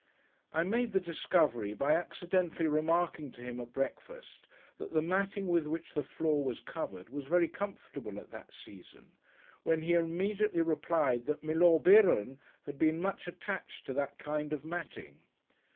I made the discovery by accidentally remarking to him, at breakfast, that the matting with which the floor was covered, was very comfortable at that season, when he immediately replied that Milor Beeron had been much attached to that kind of matting.